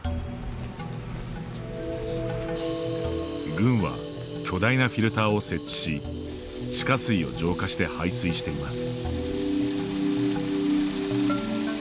軍は巨大なフィルターを設置し地下水を浄化して排水しています。